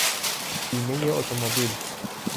بیمهی اتومبیل